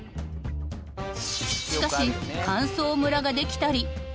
しかし乾燥ムラができたり。